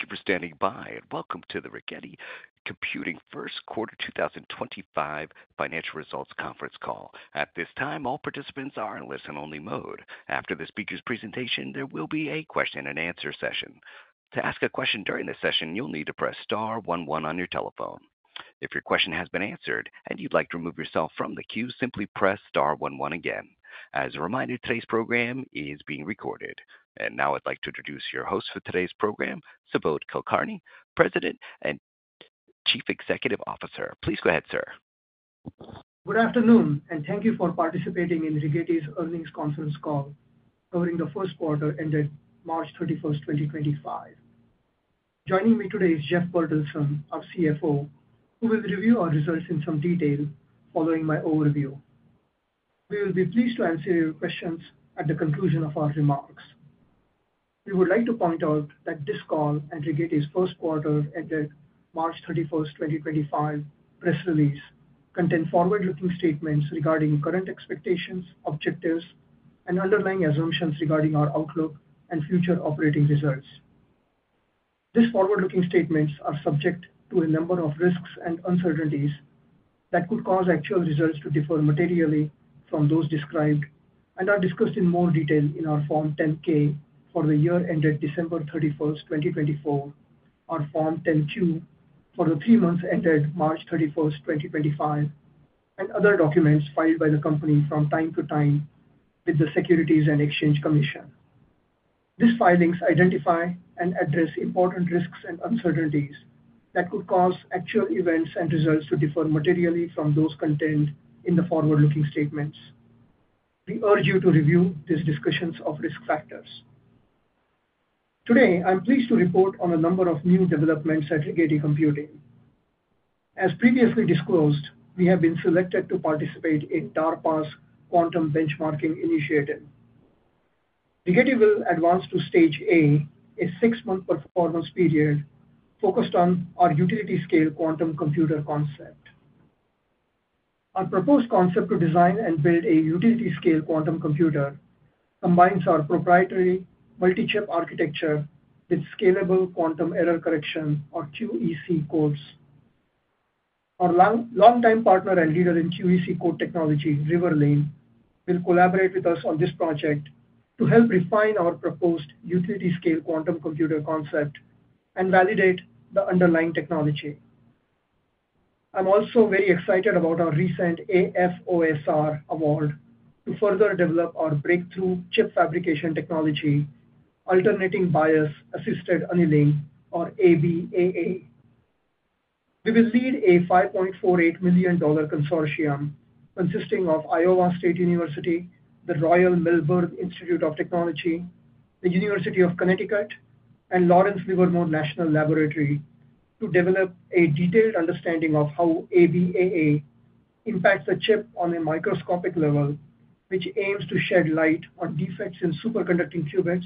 Thank you for standing by, and welcome to the Rigetti Computing first quarter 2025 financial results conference call. At this time, all participants are in listen-only mode. After the speaker's presentation, there will be a question-and-answer session. To ask a question during this session, you'll need to press star one one on your telephone. If your question has been answered and you'd like to remove yourself from the queue, simply press star one one again. As a reminder, today's program is being recorded. Now I'd like to introduce your host for today's program, Subodh Kulkarni, President and Chief Executive Officer. Please go ahead, sir. Good afternoon, and thank you for participating in Rigetti's earnings conference call covering the first quarter ended March 31st, 2025. Joining me today is Jeff Bertelsen, our CFO, who will review our results in some detail following my overview. We will be pleased to answer your questions at the conclusion of our remarks. We would like to point out that this call and Rigetti's first quarter ended March 31st, 2025 press release contain forward-looking statements regarding current expectations, objectives, and underlying assumptions regarding our outlook and future operating results. These forward-looking statements are subject to a number of risks and uncertainties that could cause actual results to differ materially from those described and are discussed in more detail in our Form 10-K for the year ended December 31st, 2024, our Form 10-Q for the three months ended March 31st, 2025, and other documents filed by the company from time to time with the Securities and Exchange Commission. These filings identify and address important risks and uncertainties that could cause actual events and results to differ materially from those contained in the forward-looking statements. We urge you to review these discussions of risk factors. Today, I'm pleased to report on a number of new developments at Rigetti Computing. As previously disclosed, we have been selected to participate in DARPA's Quantum Benchmarking Initiative. Rigetti will advance to Stage A, a six-month performance period focused on our utility-scale quantum computer concept. Our proposed concept to design and build a utility-scale quantum computer combines our proprietary multi-chip architecture with scalable quantum error correction, or QEC, codes. Our long-time partner and leader in QEC code technology, Riverlane, will collaborate with us on this project to help refine our proposed utility-scale quantum computer concept and validate the underlying technology. I'm also very excited about our recent AFOSR award to further develop our breakthrough chip fabrication technology, Alternating Bias Assisted Annealing, or ABAA. We will lead a $5.48 million consortium consisting of Iowa State University, the Royal Melbourne Institute of Technology, the University of Connecticut, and Lawrence Livermore National Laboratory to develop a detailed understanding of how ABAA impacts a chip on a microscopic level, which aims to shed light on defects in superconducting qubits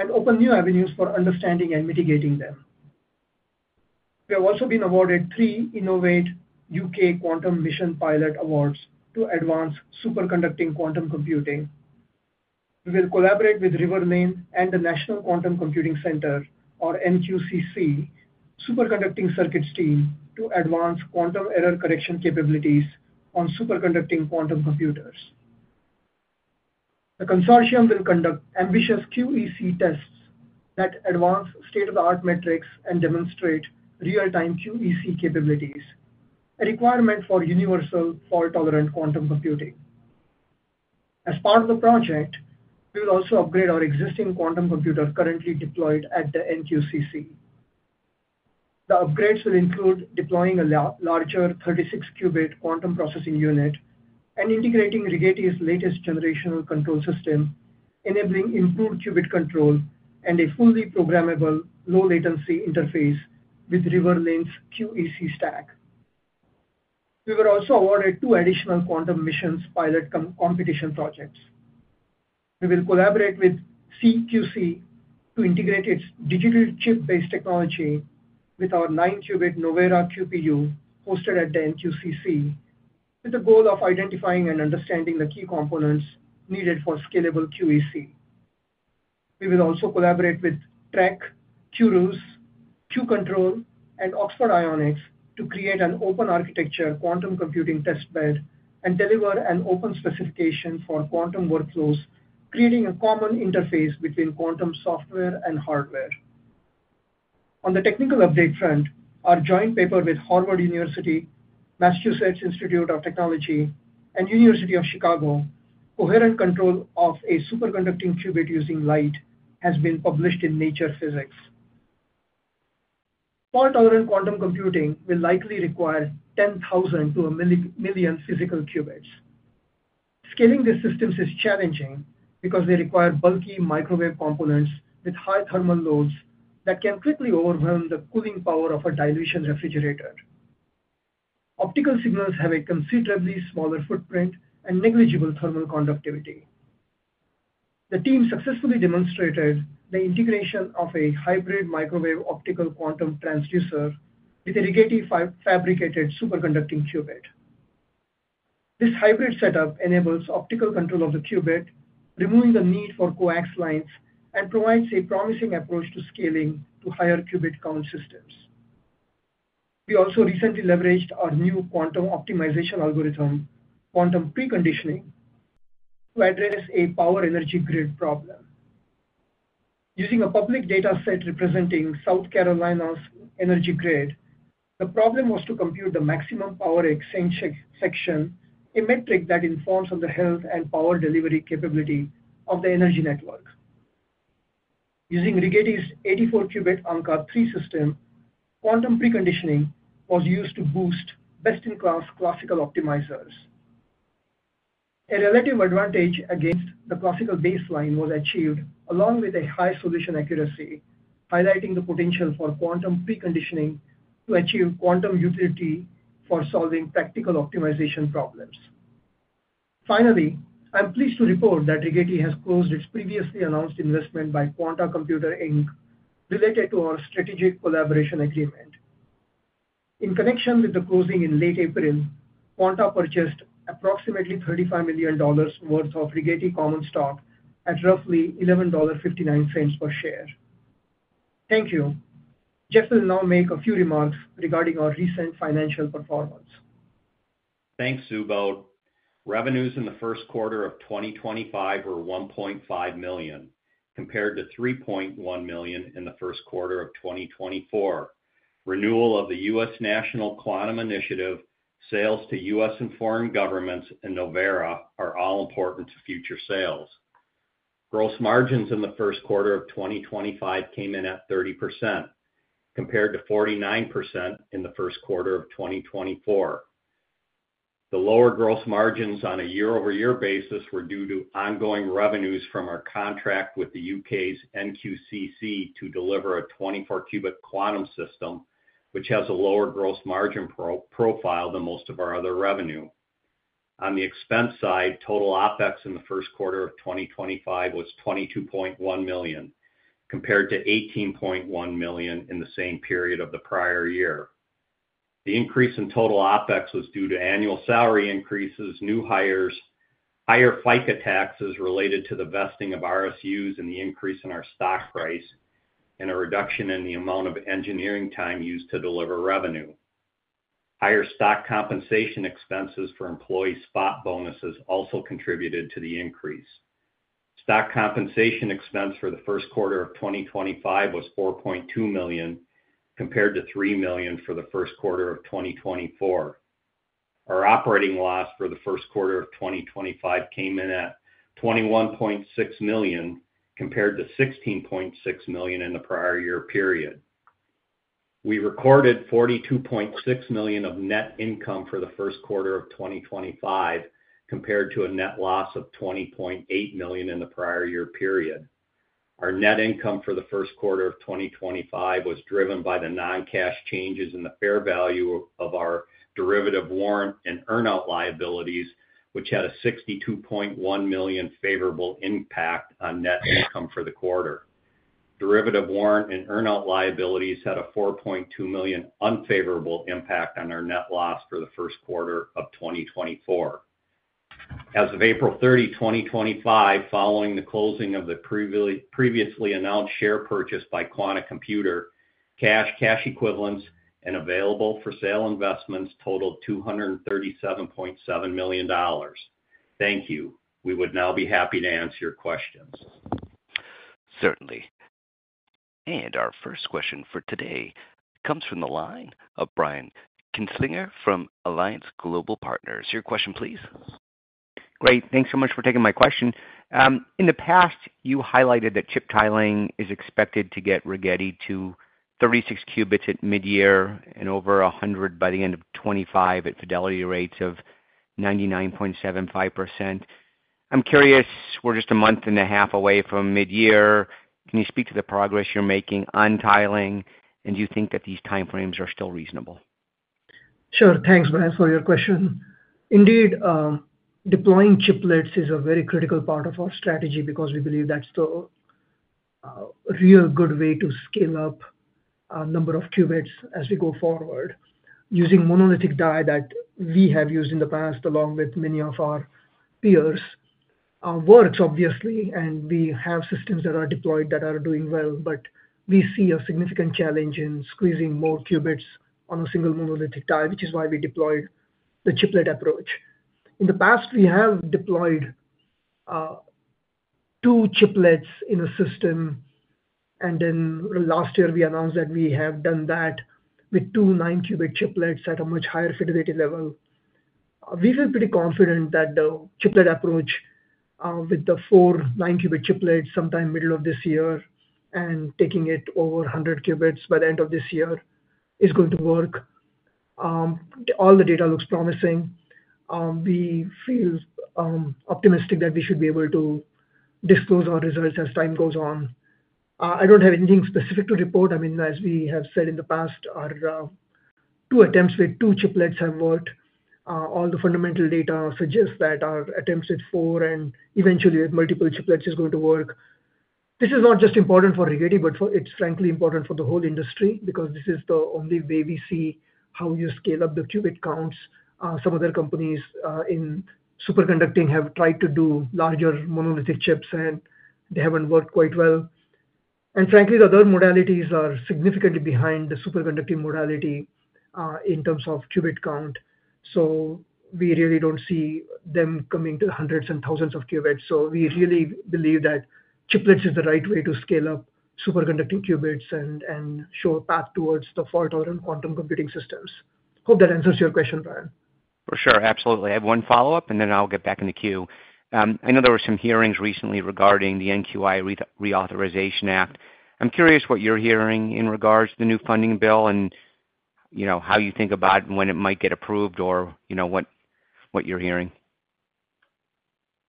and open new avenues for understanding and mitigating them. We have also been awarded three Innovate U.K. Quantum Mission Pilot Awards to advance superconducting quantum computing. We will collaborate with Riverlane and the National Quantum Computing Centre, or NQCC, superconducting circuits team to advance quantum error correction capabilities on superconducting quantum computers. The consortium will conduct ambitious QEC tests that advance state-of-the-art metrics and demonstrate real-time QEC capabilities, a requirement for universal fault-tolerant quantum computing. As part of the project, we will also upgrade our existing quantum computer currently deployed at the NQCC. The upgrades will include deploying a larger 36-qubit quantum processing unit and integrating Rigetti's latest generation control system, enabling improved qubit control and a fully programmable low-latency interface with Riverlane's QEC stack. We were also awarded two additional quantum missions pilot competition projects. We will collaborate with CQC to integrate its digital chip-based technology with our 9-qubit Novera QPU hosted at the NQCC, with the goal of identifying and understanding the key components needed for scalable QEC. We will also collaborate with T-Rex, Qruise, Q-CTRL, and Oxford Ionics to create an open architecture quantum computing testbed and deliver an open specification for quantum workflows, creating a common interface between quantum software and hardware. On the technical update front, our joint paper with Harvard University, Massachusetts Institute of Technology, and University of Chicago, Coherent Control of a Superconducting Qubit Using Light, has been published in Nature Physics. Fault-tolerant quantum computing will likely require 10,000 to a million physical qubits. Scaling these systems is challenging because they require bulky microwave components with high thermal loads that can quickly overwhelm the cooling power of a dilution refrigerator. Optical signals have a considerably smaller footprint and negligible thermal conductivity. The team successfully demonstrated the integration of a hybrid microwave optical quantum transducer with a Rigetti-fabricated superconducting qubit. This hybrid setup enables optical control of the qubit, removing the need for coax lines, and provides a promising approach to scaling to higher qubit count systems. We also recently leveraged our new quantum optimization algorithm, quantum preconditioning, to address a power energy grid problem. Using a public data set representing South Carolina's energy grid, the problem was to compute the maximum power exchange section, a metric that informs on the health and power delivery capability of the energy network. Using Rigetti's 84-qubit Ankaa-3 system, quantum preconditioning was used to boost best-in-class classical optimizers. A relative advantage against the classical baseline was achieved along with a high solution accuracy, highlighting the potential for quantum preconditioning to achieve quantum utility for solving practical optimization problems. Finally, I'm pleased to report that Rigetti has closed its previously announced investment by Quanta Computer Inc related to our strategic collaboration agreement. In connection with the closing in late April, Quanta purchased approximately $35 million worth of Rigetti Common Stock at roughly $11.59 per share. Thank you. Jeff will now make a few remarks regarding our recent financial performance. Thanks, Subodh. Revenues in the first quarter of 2025 were $1.5 million compared to $3.1 million in the first quarter of 2024. Renewal of the U.S. National Quantum Initiative, sales to U.S. and foreign governments, and Novera are all important to future sales. Gross margins in the first quarter of 2025 came in at 30% compared to 49% in the first quarter of 2024. The lower gross margins on a year-over-year basis were due to ongoing revenues from our contract with the U.K.'s NQCC to deliver a 24-qubit quantum system, which has a lower gross margin profile than most of our other revenue. On the expense side, total OpEx in the first quarter of 2025 was $22.1 million compared to $18.1 million in the same period of the prior year. The increase in total OpEx was due to annual salary increases, new hires, higher FICA taxes related to the vesting of RSUs, and the increase in our stock price, and a reduction in the amount of engineering time used to deliver revenue. Higher stock compensation expenses for employee spot bonuses also contributed to the increase. Stock compensation expense for the first quarter of 2025 was $4.2 million compared to $3 million for the first quarter of 2024. Our operating loss for the first quarter of 2025 came in at $21.6 million compared to $16.6 million in the prior year period. We recorded $42.6 million of net income for the first quarter of 2025 compared to a net loss of $20.8 million in the prior year period. Our net income for the first quarter of 2025 was driven by the non-cash changes in the fair value of our derivative warrant and earn-out liabilities, which had a $62.1 million favorable impact on net income for the quarter. Derivative warrant and earn-out liabilities had a $4.2 million unfavorable impact on our net loss for the first quarter of 2024. As of April 30, 2025, following the closing of the previously announced share purchase by Quanta Computer, cash, cash equivalents, and available-for-sale investments totaled $237.7 million. Thank you. We would now be happy to answer your questions. Certainly. Our first question for today comes from the line of Brian Kinstlinger from Alliance Global Partners. Your question, please. Great. Thanks so much for taking my question. In the past, you highlighted that chip tiling is expected to get Rigetti to 36 qubits at mid-year and over 100 by the end of 2025 at fidelity rates of 99.75%. I'm curious, we're just a month and a half away from mid-year. Can you speak to the progress you're making on tiling, and do you think that these timeframes are still reasonable? Sure. Thanks, Brian, for your question. Indeed, deploying chiplets is a very critical part of our strategy because we believe that's the real good way to scale up our number of qubits as we go forward. Using monolithic die that we have used in the past along with many of our peers works, obviously, and we have systems that are deployed that are doing well, but we see a significant challenge in squeezing more qubits on a single monolithic die, which is why we deployed the chiplet approach. In the past, we have deployed two chiplets in a system, and then last year we announced that we have done that with two 9-qubit chiplets at a much higher fidelity level. We feel pretty confident that the chiplet approach with the four 9-qubit chiplets sometime middle of this year and taking it over 100 qubits by the end of this year is going to work. All the data looks promising. We feel optimistic that we should be able to disclose our results as time goes on. I do not have anything specific to report. I mean, as we have said in the past, our two attempts with two chiplets have worked. All the fundamental data suggest that our attempts with four and eventually with multiple chiplets is going to work. This is not just important for Rigetti, but it is frankly important for the whole industry because this is the only way we see how you scale up the qubit counts. Some other companies in superconducting have tried to do larger monolithic chips, and they have not worked quite well. Frankly, the other modalities are significantly behind the superconducting modality in terms of qubit count. We really do not see them coming to the hundreds and thousands of qubits. We really believe that chiplets is the right way to scale up superconducting qubits and show a path towards the fault-tolerant quantum computing systems. Hope that answers your question, Brian. For sure. Absolutely. I have one follow-up, and then I'll get back in the queue. I know there were some hearings recently regarding the NQI Reauthorization Act. I'm curious what you're hearing in regards to the new funding bill and how you think about when it might get approved or what you're hearing.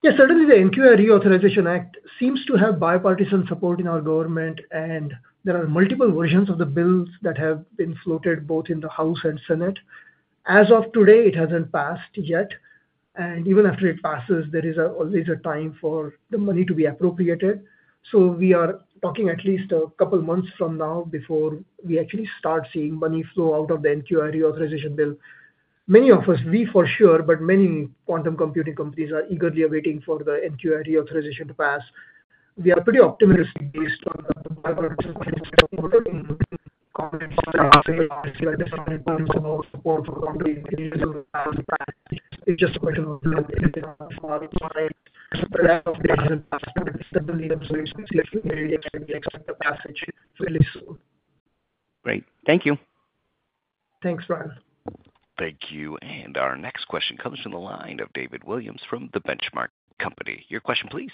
Yes, certainly the NQI Reauthorization Act seems to have bipartisan support in our government, and there are multiple versions of the bills that have been floated both in the House and Senate. As of today, it has not passed yet. Even after it passes, there is always a time for the money to be appropriated. We are talking at least a couple of months from now before we actually start seeing money flow out of the NQI Reauthorization Bill. Many of us, we for sure, but many quantum computing companies are eagerly awaiting for the NQI Reauthorization to pass. We are pretty optimistic based on the bipartisan comments. It is just a matter of time before the recommendations pass. Certainly, we expect the passage fairly soon. Great. Thank you. Thanks, Brian. Thank you. Our next question comes from the line of David Williams from The Benchmark Company. Your question, please.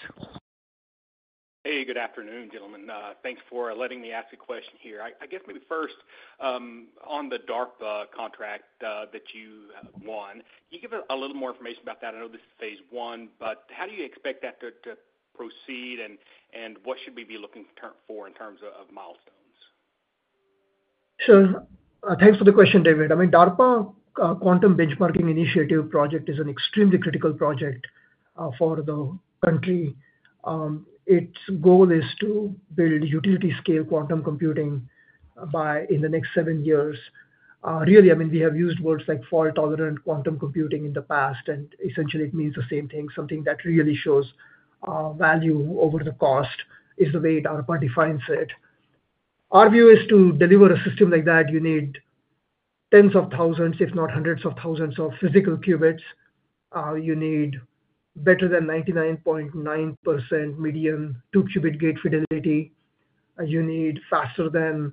Hey, good afternoon, gentlemen. Thanks for letting me ask a question here. I guess maybe first, on the DARPA contract that you won, can you give us a little more information about that? I know this is phase I, but how do you expect that to proceed, and what should we be looking for in terms of milestones? Sure. Thanks for the question, David. I mean, DARPA Quantum Benchmarking Initiative project is an extremely critical project for the country. Its goal is to build utility-scale quantum computing by in the next seven years. Really, I mean, we have used words like fault-tolerant quantum computing in the past, and essentially it means the same thing. Something that really shows value over the cost is the way DARPA defines it. Our view is to deliver a system like that, you need tens of thousands, if not hundreds of thousands of physical qubits. You need better than 99.9% median 2-qubit gate fidelity. You need faster than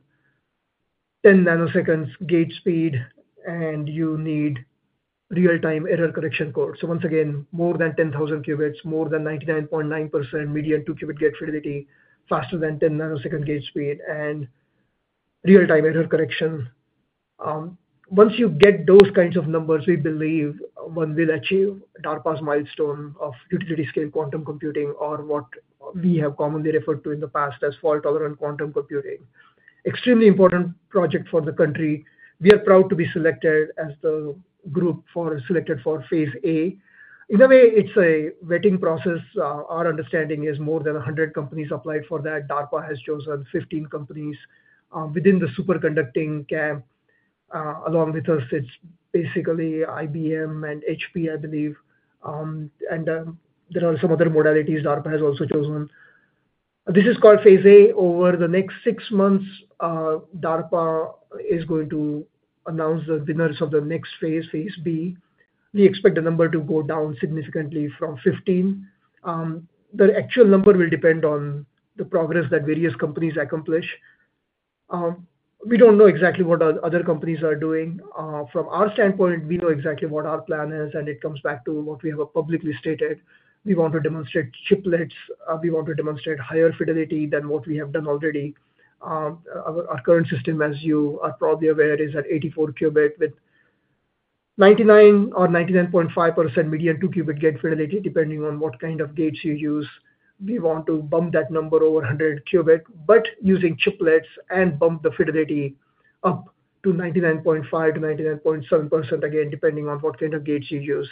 10 nanoseconds gate speed, and you need real-time error correction code. Once again, more than 10,000 qubits, more than 99.9% median 2-qubit gate fidelity, faster than 10 nanosecond gate speed, and real-time error correction. Once you get those kinds of numbers, we believe one will achieve DARPA's milestone of utility-scale quantum computing or what we have commonly referred to in the past as fault-tolerant quantum computing. Extremely important project for the country. We are proud to be selected as the group selected for phase A. In a way, it's a vetting process. Our understanding is more than 100 companies applied for that. DARPA has chosen 15 companies within the superconducting camp. Along with us, it's basically IBM and HP, I believe. There are some other modalities DARPA has also chosen. This is called phase A. Over the next six months, DARPA is going to announce the winners of the next phase, phase B. We expect the number to go down significantly from 15. The actual number will depend on the progress that various companies accomplish. We don't know exactly what other companies are doing. From our standpoint, we know exactly what our plan is, and it comes back to what we have publicly stated. We want to demonstrate chiplets. We want to demonstrate higher fidelity than what we have done already. Our current system, as you are probably aware, is at 84 qubit with 99% or 99.5% median 2-qubit gate fidelity, depending on what kind of gates you use. We want to bump that number over 100 qubit, but using chiplets and bump the fidelity up to 99.5%-99.7%, again, depending on what kind of gates you use.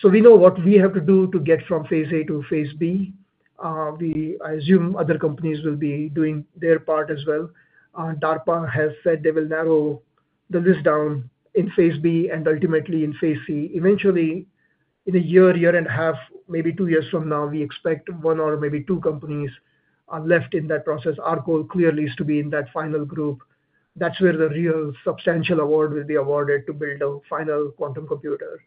So we know what we have to do to get from phase A to phase B. I assume other companies will be doing their part as well. DARPA has said they will narrow the list down in phase B and ultimately in phase C. Eventually, in a year, year and a half, maybe two years from now, we expect one or maybe two companies left in that process. Our goal clearly is to be in that final group. That is where the real substantial award will be awarded to build a final quantum computer.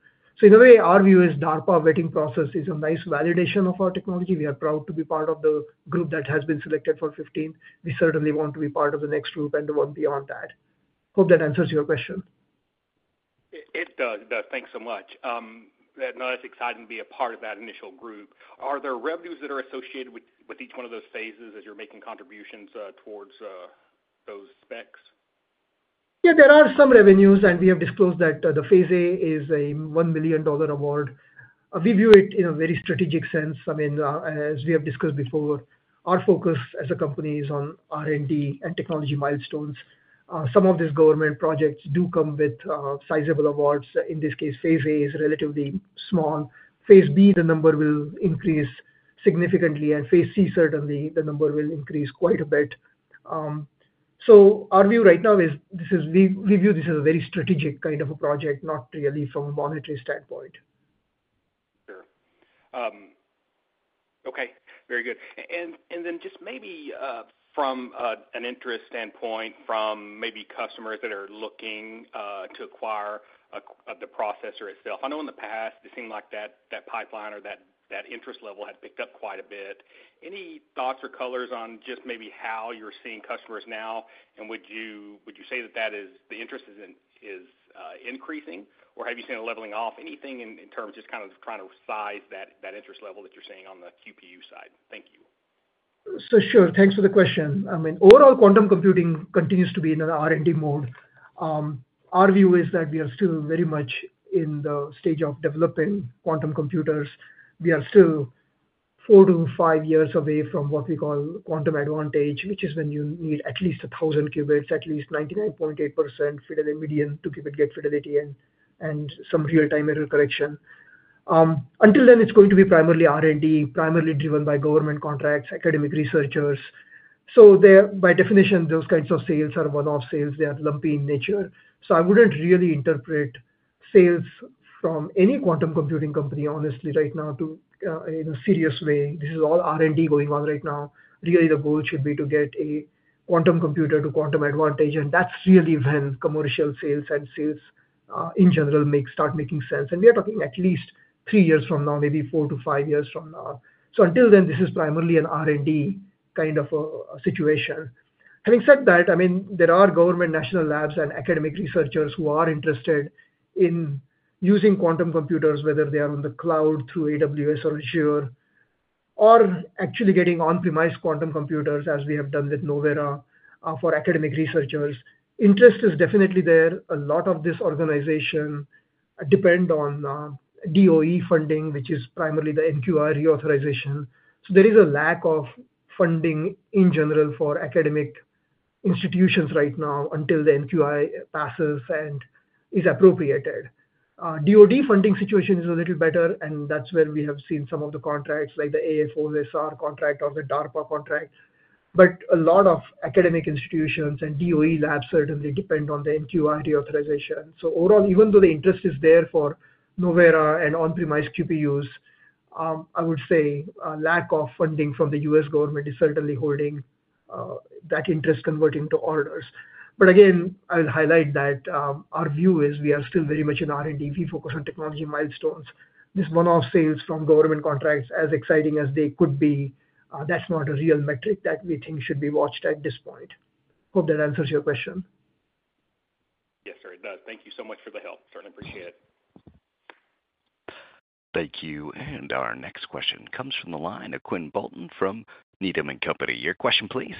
In a way, our view is DARPA vetting process is a nice validation of our technology. We are proud to be part of the group that has been selected for 15. We certainly want to be part of the next group and the one beyond that. Hope that answers your question. It does. Thanks so much. That's exciting to be a part of that initial group. Are there revenues that are associated with each one of those phases as you're making contributions towards those specs? Yeah, there are some revenues, and we have disclosed that the phase A is a $1 million award. We view it in a very strategic sense. I mean, as we have discussed before, our focus as a company is on R&D and technology milestones. Some of these government projects do come with sizable awards. In this case, phase A is relatively small. Phase B, the number will increase significantly, and phase C, certainly, the number will increase quite a bit. Our view right now is we view this as a very strategic kind of a project, not really from a monetary standpoint. Sure. Okay. Very good. Maybe from an interest standpoint from customers that are looking to acquire the processor itself, I know in the past it seemed like that pipeline or that interest level had picked up quite a bit. Any thoughts or colors on just how you're seeing customers now? Would you say that the interest is increasing, or have you seen a leveling off? Anything in terms of just kind of trying to size that interest level that you're seeing on the QPU side? Thank you. Sure. Thanks for the question. I mean, overall, quantum computing continues to be in an R&D mode. Our view is that we are still very much in the stage of developing quantum computers. We are still four to five years away from what we call quantum advantage, which is when you need at least 1,000 qubits, at least 99.8% median 2-qubit gate fidelity, and some real-time error correction. Until then, it's going to be primarily R&D, primarily driven by government contracts, academic researchers. By definition, those kinds of sales are one-off sales. They are lumpy in nature. I wouldn't really interpret sales from any quantum computing company, honestly, right now in a serious way. This is all R&D going on right now. Really, the goal should be to get a quantum computer to quantum advantage, and that's really when commercial sales and sales in general start making sense. We are talking at least three years from now, maybe four to five years from now. Until then, this is primarily an R&D kind of a situation. Having said that, I mean, there are government, national labs, and academic researchers who are interested in using quantum computers, whether they are on the cloud through AWS or Azure, or actually getting on-premise quantum computers, as we have done with Novera for academic researchers. Interest is definitely there. A lot of this organization depends on DOE funding, which is primarily the NQI Reauthorization. There is a lack of funding in general for academic institutions right now until the NQI passes and is appropriated. DOD funding situation is a little better, and that's where we have seen some of the contracts, like the AFOSR contract or the DARPA contract. A lot of academic institutions and DOE labs certainly depend on the NQI Reauthorization. Overall, even though the interest is there for Novera and on-premise QPUs, I would say a lack of funding from the U.S. government is certainly holding that interest converting to orders. Again, I will highlight that our view is we are still very much in R&D. We focus on technology milestones. This one-off sales from government contracts, as exciting as they could be, that's not a real metric that we think should be watched at this point. Hope that answers your question. Yes, sir. It does. Thank you so much for the help. Certainly appreciate it. Thank you. Our next question comes from the line of Quinn Bolton from Needham and Company. Your question, please.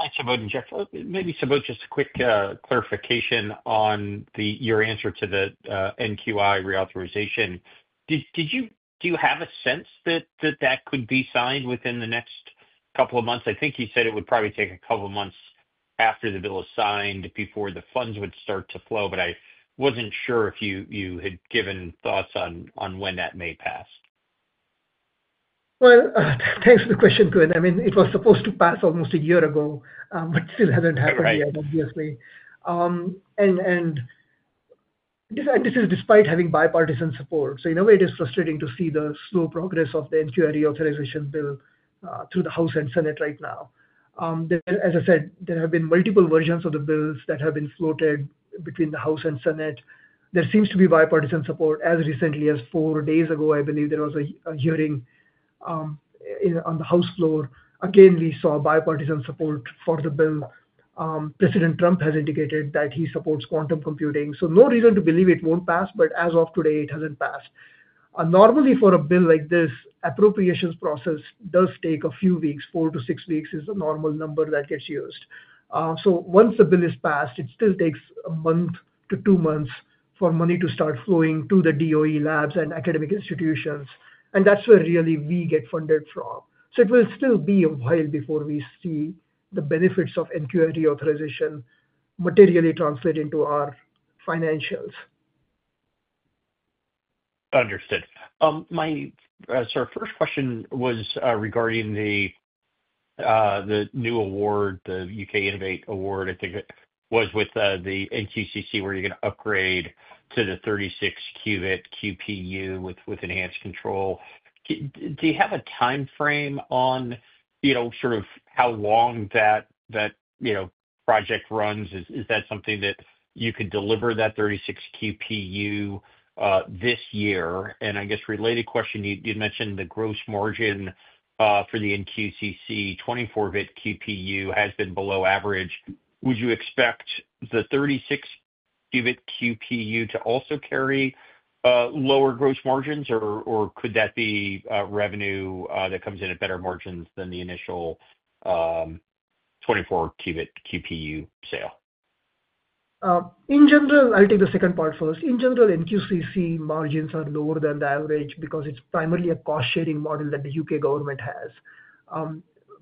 Hi, Subodh and Jeff. Maybe Subodh, just a quick clarification on your answer to the NQI Reauthorization. Do you have a sense that that could be signed within the next couple of months? I think you said it would probably take a couple of months after the bill is signed before the funds would start to flow, but I was not sure if you had given thoughts on when that may pass. Thanks for the question, Quinn. I mean, it was supposed to pass almost a year ago, but it still has not happened yet, obviously. This is despite having bipartisan support. In a way, it is frustrating to see the slow progress of the NQI Reauthorization Bill through the House and Senate right now. As I said, there have been multiple versions of the bills that have been floated between the House and Senate. There seems to be bipartisan support. As recently as four days ago, I believe there was a hearing on the House floor. Again, we saw bipartisan support for the bill. President Trump has indicated that he supports quantum computing. No reason to believe it will not pass, but as of today, it has not passed. Normally, for a bill like this, appropriations process does take a few weeks. Four to six weeks is the normal number that gets used. Once the bill is passed, it still takes a month to two months for money to start flowing to the DOE labs and academic institutions. That's where really we get funded from. It will still be a while before we see the benefits of NQI Reauthorization materially translate into our financials. Understood. My first question was regarding the new award, the U.K. Innovate Award, I think it was with the NQCC, where you're going to upgrade to the 36-qubit QPU with enhanced control. Do you have a timeframe on sort of how long that project runs? Is that something that you could deliver that 36-qubit QPU this year? I guess related question, you'd mentioned the gross margin for the NQCC 24-qubit QPU has been below average. Would you expect the 36-qubit QPU to also carry lower gross margins, or could that be revenue that comes in at better margins than the initial 24-qubit QPU sale? In general, I'll take the second part first. In general, NQCC margins are lower than the average because it's primarily a cost-sharing model that the U.K. government has.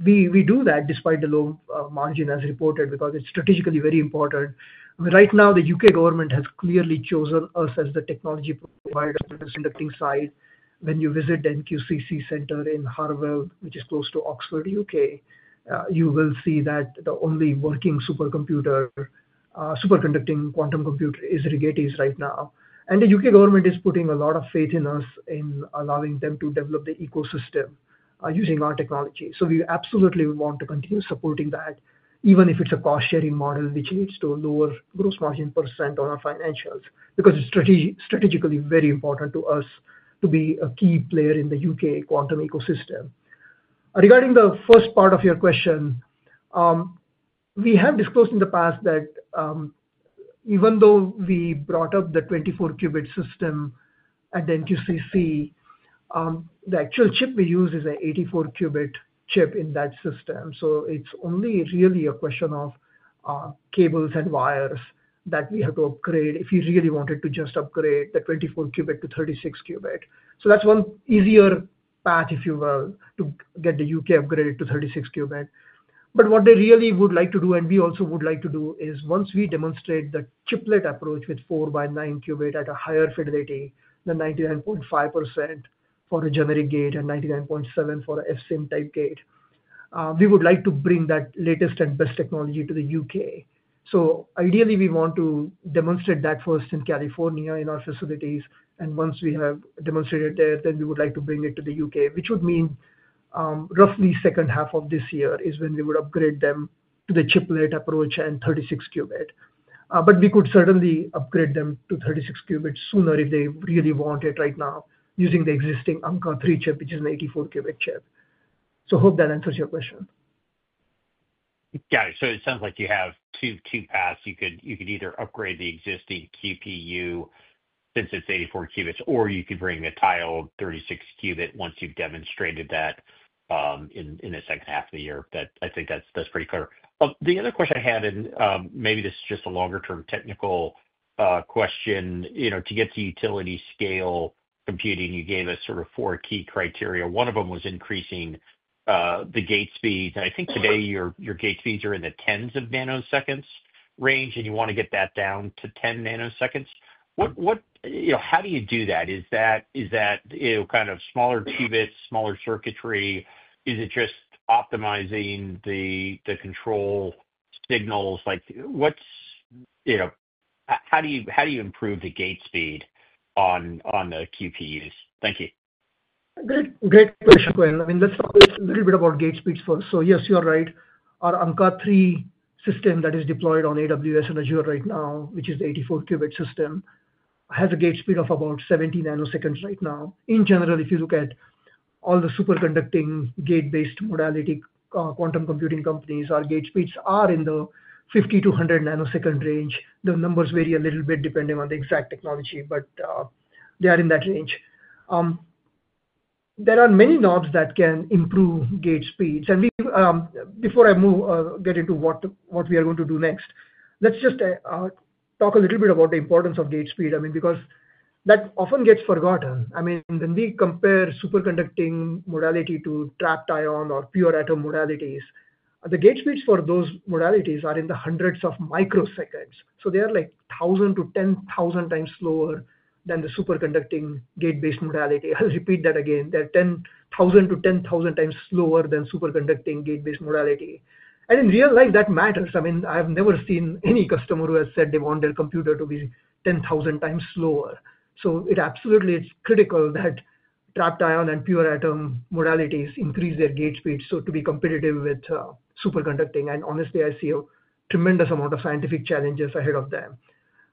We do that despite the low margin as reported because it's strategically very important. Right now, the U.K. government has clearly chosen us as the technology provider for the conducting side. When you visit the NQCC center in Harwell, which is close to Oxford, U.K., you will see that the only working superconducting quantum computer is Rigetti's right now. The U.K. government is putting a lot of faith in us in allowing them to develop the ecosystem using our technology. We absolutely want to continue supporting that, even if it's a cost-sharing model, which leads to a lower gross margin percent on our financials because it's strategically very important to us to be a key player in the U.K. quantum ecosystem. Regarding the first part of your question, we have disclosed in the past that even though we brought up the 24-qubit system at the NQCC, the actual chip we use is an 84-qubit chip in that system. It's only really a question of cables and wires that we have to upgrade if we really wanted to just upgrade the 24-qubit to 36-qubit. That's one easier path, if you will, to get the U.K. upgraded to 36-qubit. What they really would like to do, and we also would like to do, is once we demonstrate the chiplet approach with 4x9 qubit at a higher fidelity than 99.5% for a generic gate and 99.7% for an FSIM type gate, we would like to bring that latest and best technology to the U.K. Ideally, we want to demonstrate that first in California in our facilities. Once we have demonstrated there, then we would like to bring it to the U.K., which would mean roughly second half of this year is when we would upgrade them to the chiplet approach and 36-qubit. We could certainly upgrade them to 36-qubit sooner if they really want it right now using the existing Ankaa-3 chip, which is an 84-qubit chip. Hope that answers your question. Got it. It sounds like you have two paths. You could either upgrade the existing QPU since it is 84-qubits, or you could bring the tiled 36-qubit once you have demonstrated that in the second half of the year. I think that is pretty clear. The other question I had, and maybe this is just a longer-term technical question, to get to utility scale computing, you gave us sort of four key criteria. One of them was increasing the gate speed. I think today your gate speeds are in the tens of nanoseconds range, and you want to get that down to 10 nanoseconds. How do you do that? Is that kind of smaller qubits, smaller circuitry? Is it just optimizing the control signals? How do you improve the gate speed on the QPUs? Thank you. Great question, Quinn. I mean, let's talk a little bit about gate speeds first. Yes, you're right. Our Ankaa-3 system that is deployed on AWS and Azure right now, which is the 84-qubit system, has a gate speed of about 70 nanoseconds right now. In general, if you look at all the superconducting gate-based modality quantum computing companies, our gate speeds are in the 50-100 nanosecond range. The numbers vary a little bit depending on the exact technology, but they are in that range. There are many knobs that can improve gate speeds. Before I get into what we are going to do next, let's just talk a little bit about the importance of gate speed. I mean, because that often gets forgotten. I mean, when we compare superconducting modality to trapped ion or pure atom modalities, the gate speeds for those modalities are in the hundreds of microseconds. So they are like 1,000-10,000 times slower than the superconducting gate-based modality. I'll repeat that again. They're 10,000-10,000 times slower than superconducting gate-based modality. In real life, that matters. I mean, I have never seen any customer who has said they want their computer to be 10,000 times slower. It absolutely is critical that trapped ion and pure atom modalities increase their gate speeds to be competitive with superconducting. Honestly, I see a tremendous amount of scientific challenges ahead of them.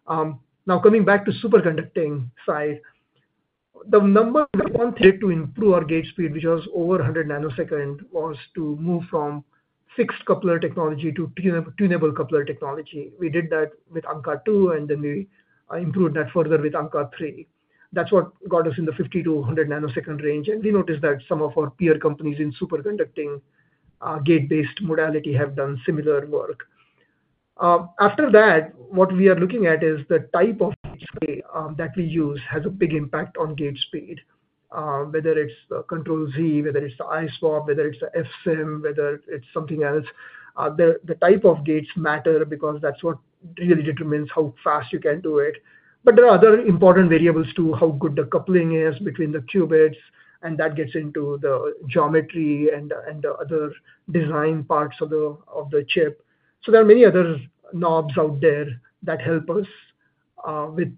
Now, coming back to superconducting side, the number one threat to improve our gate speed, which was over 100 nanoseconds, was to move from fixed coupler technology to tunable coupler technology. We did that with Ankaa-2, and then we improved that further with Ankaa-3. That's what got us in the 50-100 nanosecond range. We noticed that some of our peer companies in superconducting gate-based modality have done similar work. After that, what we are looking at is the type of gate speed that we use has a big impact on gate speed. Whether it's the Control-Z, whether it's the iSWAP, whether it's an FSIM, whether it's something else, the type of gates matter because that's what really determines how fast you can do it. There are other important variables too, how good the coupling is between the qubits, and that gets into the geometry and other design parts of the chip. There are many other knobs out there that help us with gate speed.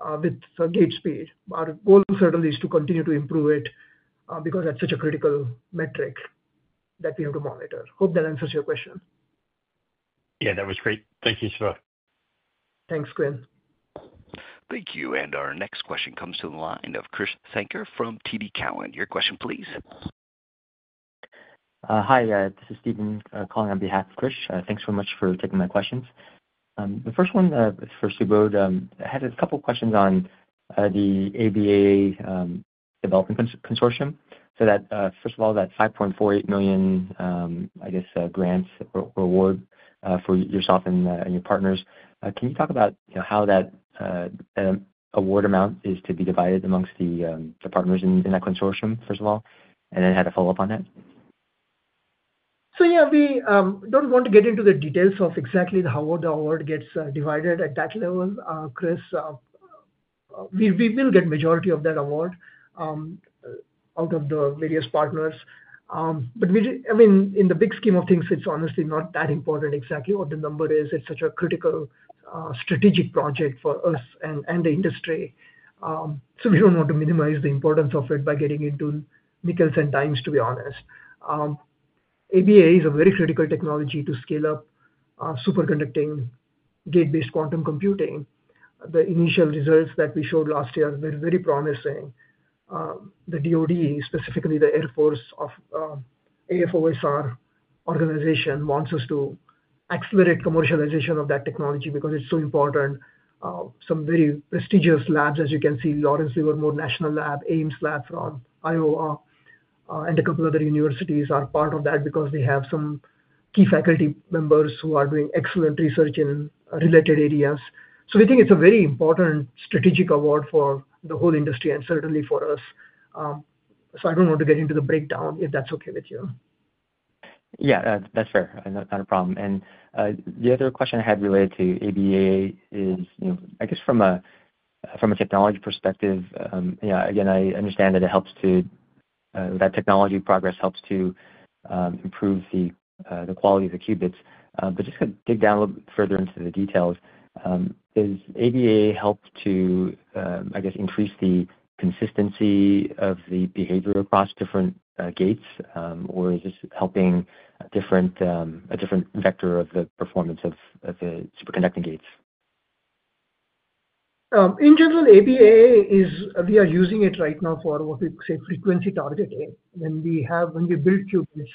Our goal certainly is to continue to improve it because that's such a critical metric that we have to monitor. Hope that answers your question. Yeah, that was great. Thank you, Subodh. Thanks, Quinn. Thank you. Our next question comes to the line of Chris Krueger from TD Cowen. Your question, please. Hi, this is Steven calling on behalf of Chris. Thanks so much for taking my questions. The first one for Subodh, I had a couple of questions on the ABAA Development Consortium. First of all, that $5.48 million, I guess, grant or award for yourself and your partners, can you talk about how that award amount is to be divided amongst the partners in that consortium, first of all? I had a follow-up on that. Yeah, we don't want to get into the details of exactly how the award gets divided at that level, Chris. We will get the majority of that award out of the various partners. I mean, in the big scheme of things, it's honestly not that important exactly what the number is. It's such a critical strategic project for us and the industry. We don't want to minimize the importance of it by getting into nickels and dimes, to be honest. ABAA is a very critical technology to scale up superconducting gate-based quantum computing. The initial results that we showed last year were very promising. The DOD, specifically the Air Force AFOSR organization, wants us to accelerate commercialization of that technology because it's so important. Some very prestigious labs, as you can see, Lawrence Livermore National Lab, Ames Lab from Iowa, and a couple of other universities are part of that because they have some key faculty members who are doing excellent research in related areas. We think it's a very important strategic award for the whole industry and certainly for us. I don't want to get into the breakdown if that's okay with you. Yeah, that's fair. Not a problem. The other question I had related to ABAA is, I guess, from a technology perspective, again, I understand that that technology progress helps to improve the quality of the qubits. Just to dig down a little bit further into the details, does ABAA help to, I guess, increase the consistency of the behavior across different gates, or is this helping a different vector of the performance of the superconducting gates? In general, ABAA, we are using it right now for what we say, frequency targeting. When we build qubits,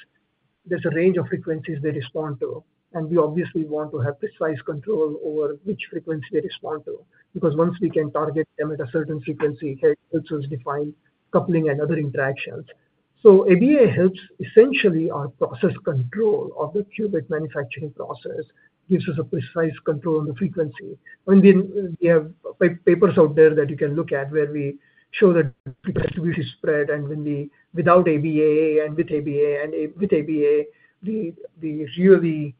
there's a range of frequencies they respond to. We obviously want to have precise control over which frequency they respond to because once we can target them at a certain frequency, it helps us define coupling and other interactions. ABAA helps essentially our process control of the qubit manufacturing process, gives us a precise control on the frequency. I mean, we have papers out there that you can look at where we show that we can attribute the spread. Without ABAA and with ABAA, we really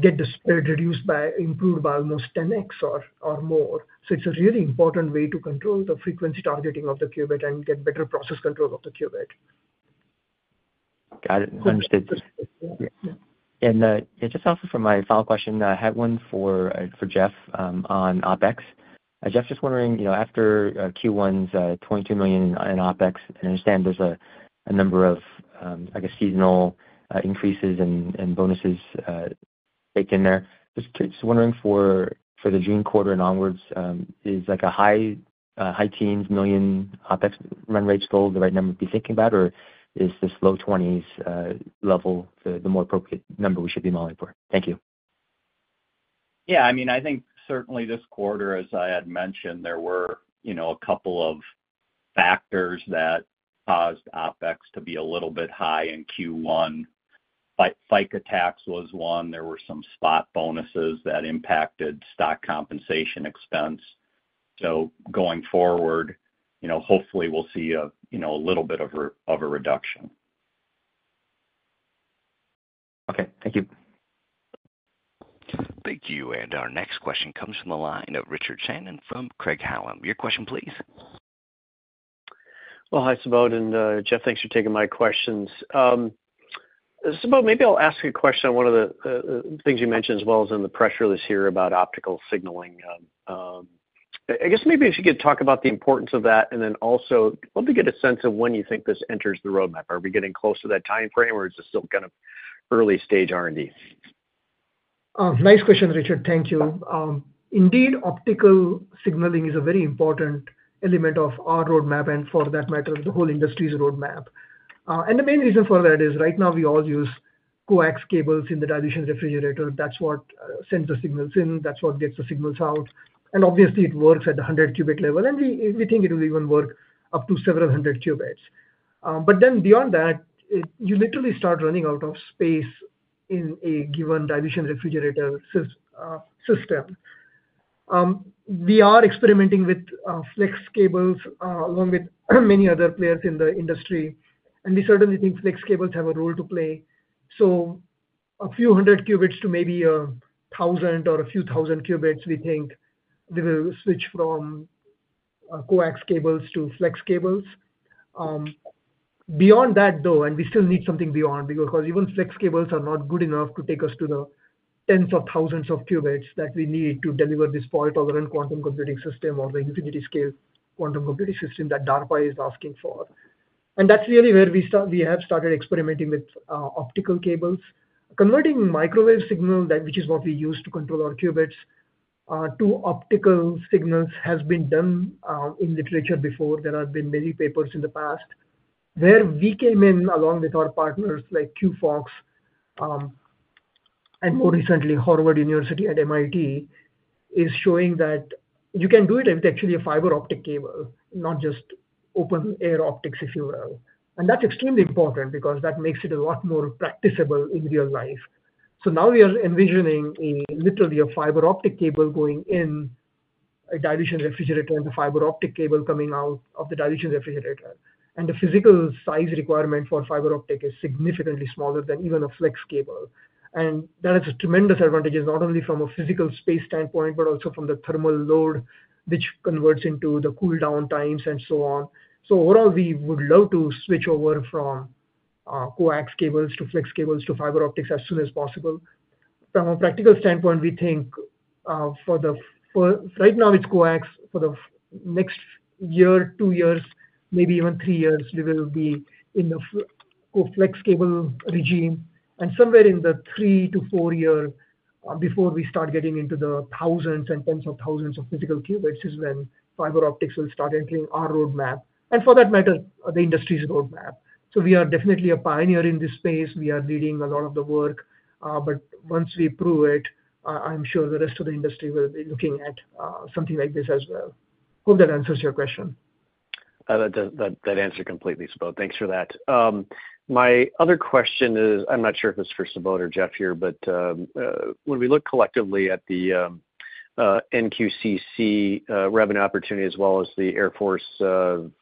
get the spread improved by almost 10x or more. It's a really important way to control the frequency targeting of the qubit and get better process control of the qubit. Got it. Understood. Just also for my final question, I had one for Jeff on OpEx. Jeff, just wondering, after Q1's $22 million in OpEx, I understand there is a number of, I guess, seasonal increases and bonuses baked in there. Just wondering for the June quarter and onwards, is a high teens million OpEx run rate still the right number to be thinking about, or is this low $20 million level the more appropriate number we should be modeling for? Thank you. Yeah. I mean, I think certainly this quarter, as I had mentioned, there were a couple of factors that caused OpEx to be a little bit high in Q1. FICA attacks was one. There were some spot bonuses that impacted stock compensation expense. Going forward, hopefully, we'll see a little bit of a reduction. Okay. Thank you. Thank you. Our next question comes from the line of Richard Shannon from Craig-Hallum. Your question, please. Hi, Subodh. And Jeff, thanks for taking my questions. Subodh, maybe I'll ask a question on one of the things you mentioned as well as in the press release here about optical signaling. I guess maybe if you could talk about the importance of that. And then also, let me get a sense of when you think this enters the roadmap. Are we getting close to that timeframe, or is this still kind of early-stage R&D? Nice question, Richard. Thank you. Indeed, optical signaling is a very important element of our roadmap and for that matter, the whole industry's roadmap. The main reason for that is right now we all use coax cables in the dilution refrigerator. That's what sends the signals in. That's what gets the signals out. Obviously, it works at the 100-qubit level. We think it will even work up to several hundred qubits. Beyond that, you literally start running out of space in a given dilution refrigerator system. We are experimenting with flex cables along with many other players in the industry. We certainly think flex cables have a role to play. A few hundred qubits to maybe 1,000 or a few thousand qubits, we think we will switch from coax cables to flex cables. Beyond that, though, we still need something beyond because even flex cables are not good enough to take us to the tens of thousands of qubits that we need to deliver this fault-tolerant quantum computing system or the infinity-scale quantum computing system that DARPA is asking for. That is really where we have started experimenting with optical cables. Converting microwave signal, which is what we use to control our qubits, to optical signals has been done in literature before. There have been many papers in the past where we came in along with our partners like QphoX and more recently Harvard University at MIT, showing that you can do it with actually a fiber optic cable, not just open-air optics, if you will. That is extremely important because that makes it a lot more practicable in real life. Now we are envisioning literally a fiber optic cable going in a dilution refrigerator and the fiber optic cable coming out of the dilution refrigerator. The physical size requirement for fiber optic is significantly smaller than even a flex cable. That has a tremendous advantage, not only from a physical space standpoint, but also from the thermal load, which converts into the cool-down times and so on. Overall, we would love to switch over from coax cables to flex cables to fiber optics as soon as possible. From a practical standpoint, we think for right now it is coax. For the next year, two years, maybe even three years, we will be in the full flex cable regime. Somewhere in the three to four years before we start getting into the thousands and tens of thousands of physical qubits is when fiber optics will start entering our roadmap. For that matter, the industry's roadmap. We are definitely a pioneer in this space. We are leading a lot of the work. Once we prove it, I'm sure the rest of the industry will be looking at something like this as well. Hope that answers your question. That answer completely, Subodh. Thanks for that. My other question is, I'm not sure if it's for Subodh or Jeff here, but when we look collectively at the NQCC revenue opportunity as well as the Air Force,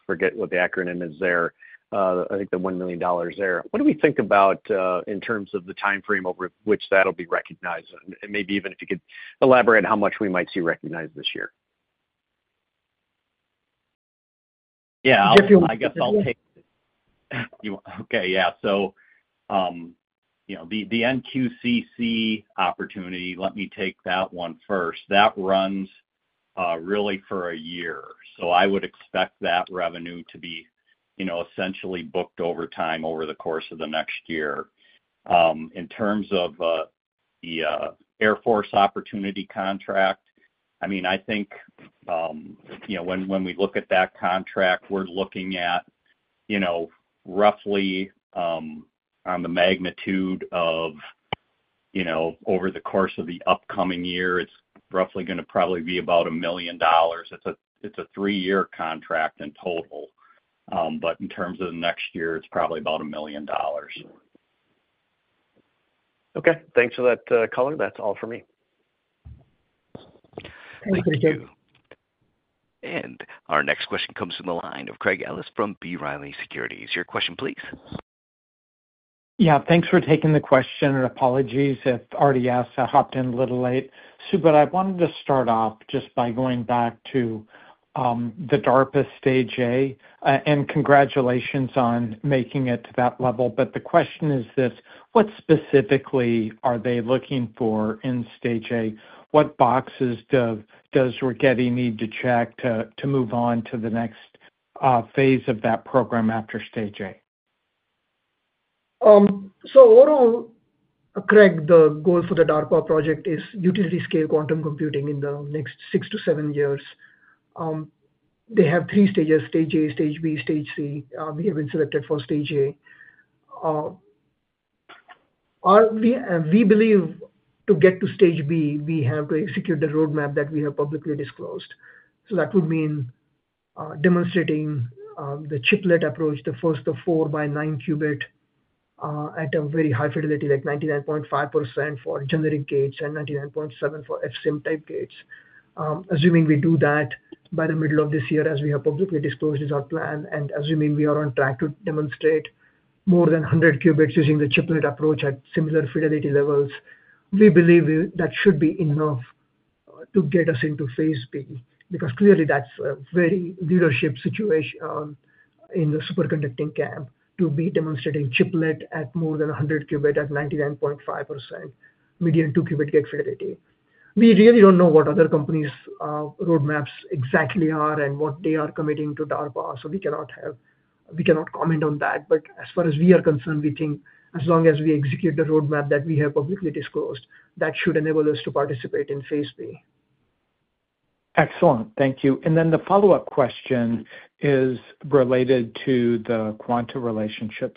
forget what the acronym is there, I think the $1 million there, what do we think about in terms of the timeframe over which that'll be recognized? And maybe even if you could elaborate how much we might see recognized this year. Yeah. I guess I'll take it. Okay. Yeah. So the NQCC opportunity, let me take that one first. That runs really for a year. I would expect that revenue to be essentially booked over time over the course of the next year. In terms of the Air Force opportunity contract, I mean, I think when we look at that contract, we're looking at roughly on the magnitude of over the course of the upcoming year, it's roughly going to probably be about $1,000,000. It's a three-year contract in total. In terms of the next year, it's probably about $1,000,000. Okay. Thanks for that, color. That's all for me. Thank you. Our next question comes from the line of Craig Ellis from B. Riley. Is your question, please? Yeah. Thanks for taking the question and apologies if RDS hopped in a little late. Subodh, I wanted to start off just by going back to the DARPA Stage A, and congratulations on making it to that level. The question is this: what specifically are they looking for in Stage A? What boxes does Rigetti need to check to move on to the next phase of that program after Stage A? Overall, Craig, the goal for the DARPA project is utility-scale quantum computing in the next six to seven years. They have three stages: Stage A, Stage B, Stage C. We have been selected for Stage A. We believe to get to Stage B, we have to execute the roadmap that we have publicly disclosed. That would mean demonstrating the chiplet approach, the first of four by nine qubit at a very high fidelity, like 99.5% for generic gates and 99.7% for FSIM type gates. Assuming we do that by the middle of this year, as we have publicly disclosed is our plan, and assuming we are on track to demonstrate more than 100 qubits using the chiplet approach at similar fidelity levels, we believe that should be enough to get us into phase B because clearly that's a very leadership situation in the superconducting camp to be demonstrating chiplet at more than 100 qubit at 99.5% median two-qubit gate fidelity. We really don't know what other companies' roadmaps exactly are and what they are committing to DARPA. We cannot comment on that. As far as we are concerned, we think as long as we execute the roadmap that we have publicly disclosed, that should enable us to participate in phase B. Excellent. Thank you. The follow-up question is related to the quantum relationship.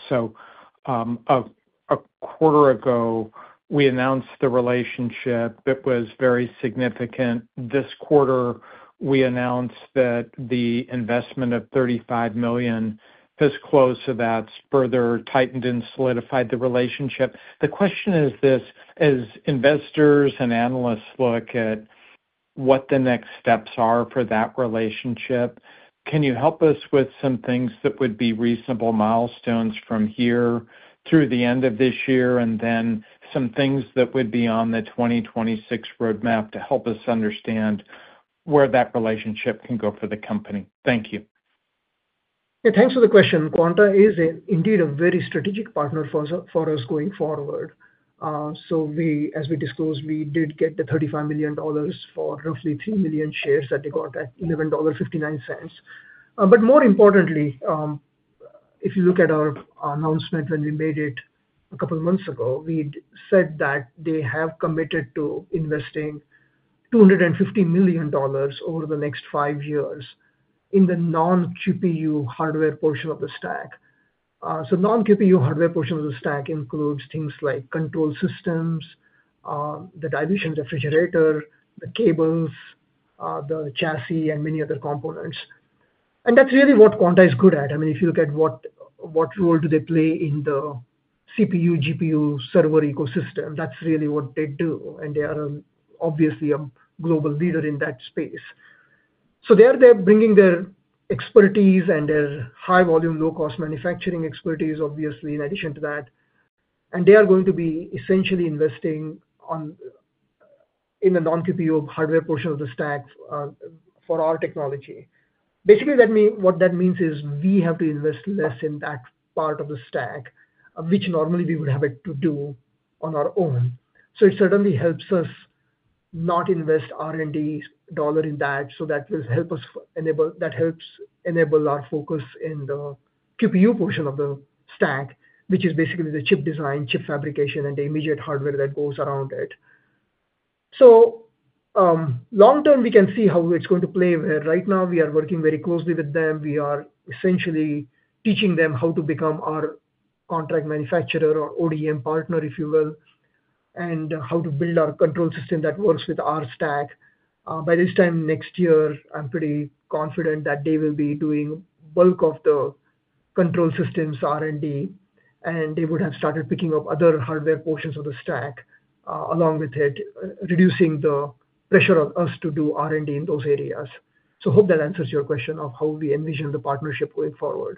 A quarter ago, we announced the relationship. It was very significant. This quarter, we announced that the investment of $35 million has closed to that, further tightened and solidified the relationship. The question is this: as investors and analysts look at what the next steps are for that relationship, can you help us with some things that would be reasonable milestones from here through the end of this year, and then some things that would be on the 2026 roadmap to help us understand where that relationship can go for the company? Thank you. Yeah. Thanks for the question. Quanta is indeed a very strategic partner for us going forward. As we disclosed, we did get the $35 million for roughly 3 million shares that they got at $11.59. More importantly, if you look at our announcement when we made it a couple of months ago, we said that they have committed to investing $250 million over the next five years in the non-GPU hardware portion of the stack. The non-GPU hardware portion of the stack includes things like control systems, the dilution refrigerator, the cables, the chassis, and many other components. That is really what Quanta is good at. I mean, if you look at what role they play in the CPU, GPU, server ecosystem, that is really what they do. They are obviously a global leader in that space. They are bringing their expertise and their high-volume, low-cost manufacturing expertise, obviously, in addition to that. They are going to be essentially investing in the non-GPU hardware portion of the stack for our technology. Basically, what that means is we have to invest less in that part of the stack, which normally we would have to do on our own. It certainly helps us not invest R&D dollar in that. That will help us enable that helps enable our focus in the GPU portion of the stack, which is basically the chip design, chip fabrication, and the immediate hardware that goes around it. Long term, we can see how it's going to play. Right now, we are working very closely with them. We are essentially teaching them how to become our contract manufacturer or ODM partner, if you will, and how to build our control system that works with our stack. By this time next year, I'm pretty confident that they will be doing bulk of the control systems R&D, and they would have started picking up other hardware portions of the stack along with it, reducing the pressure on us to do R&D in those areas. I hope that answers your question of how we envision the partnership going forward.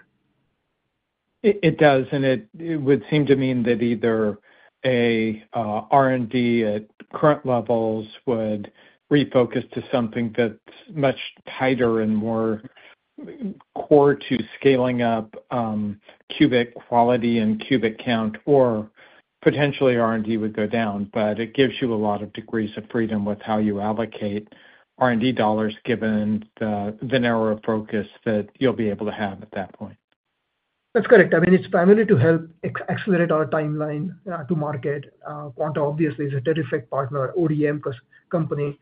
It does. It would seem to mean that either an R&D at current levels would refocus to something that's much tighter and more core to scaling up qubit quality and qubit count, or potentially R&D would go down. It gives you a lot of degrees of freedom with how you allocate R&D dollars given the narrower focus that you'll be able to have at that point. That's correct. I mean, it's primarily to help accelerate our timeline to market. Quanta, obviously, is a terrific partner, ODM company.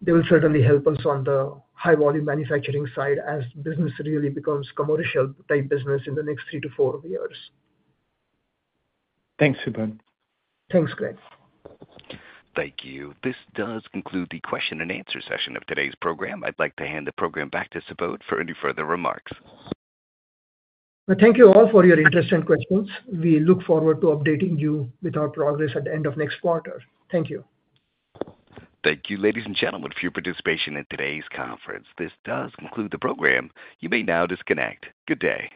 They will certainly help us on the high-volume manufacturing side as business really becomes commercial-type business in the next three to four years. Thanks, Subodh. Thanks, Craig. Thank you. This does conclude the question and answer session of today's program. I'd like to hand the program back to Subodh for any further remarks. Thank you all for your interest and questions. We look forward to updating you with our progress at the end of next quarter. Thank you. Thank you, ladies and gentlemen, for your participation in today's conference. This does conclude the program. You may now disconnect. Good day.